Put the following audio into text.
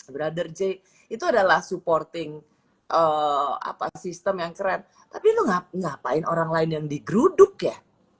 brother j itu adalah supporting sistem yang keren tapi lo ngapain orang lain yang digeruduk ya